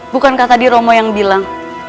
bukan kata diromo yang bilang